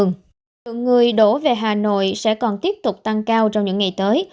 lượng người đổ về hà nội sẽ còn tiếp tục tăng cao trong những ngày tới